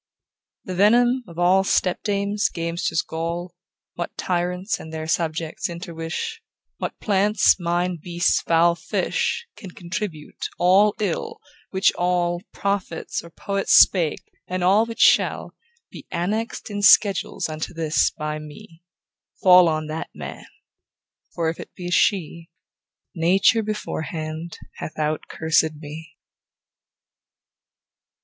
The venom of all stepdames, gamesters' gall, What tyrants and their subjects interwish, What plants, mine, beasts, fowl, fish, Can contribute, all ill, which all Prophets or poets spake, and all which shall Be annex'd in schedules unto this by me, Fall on that man ; For if it be a she Nature beforehand hath out cursèd me.